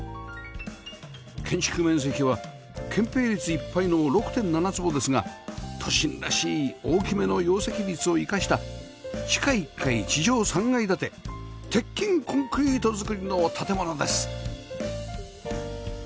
建築面積は建ぺい率いっぱいの ６．７ 坪ですが都心らしい大きめの容積率を生かした地下１階地上３階建て鉄筋コンクリート造りの建物です